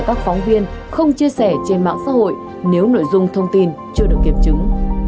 các phóng viên không chia sẻ trên mạng xã hội nếu nội dung thông tin chưa được kiểm chứng